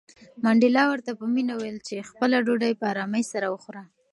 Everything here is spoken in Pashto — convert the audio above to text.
منډېلا ورته په مینه وویل چې خپله ډوډۍ په آرامۍ سره وخوره.